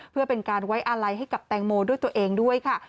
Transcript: เพื่อเป็นการไว้อาลัยให้กับแตงโมด้วยตัวเองด้วยค่ะ